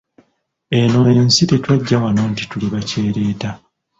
Eno ensi tetwajja wano nti tuli bakyereeta